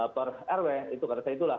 per rw itu karena saya itulah